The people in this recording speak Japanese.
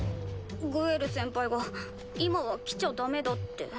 グエル先輩が今は来ちゃダメだって。